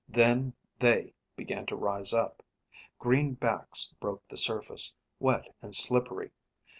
Then they began to rise up. Green backs broke the surface, wet and slippery.